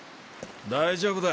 大丈夫だ。